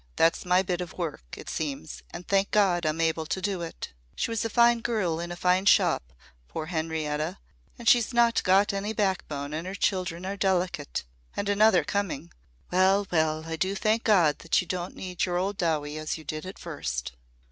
That's my bit of work, it seems, and thank God I'm able to do it. She was a fine girl in a fine shop, poor Henrietta, and she's not got any backbone and her children are delicate and another coming. Well, well! I do thank God that you don't need your old Dowie as you did at first."